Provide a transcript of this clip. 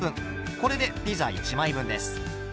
これでピザ１枚分です。